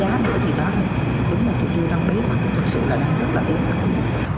mà lại lên giá nữa thì đó là tụi tôi đang bế mặt thực sự là đang rất là yên ảnh